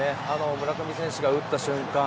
村上選手が打った瞬間